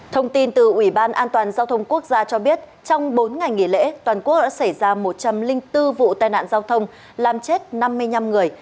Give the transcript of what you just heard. thông tin từ ủy ban an toàn giao thông quốc gia cho biết trong bốn ngày nghỉ lễ toàn quốc đã xảy ra một trăm linh bốn vụ tai nạn giao thông làm chết năm mươi năm người